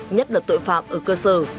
nhất là tội phạm ở cơ sở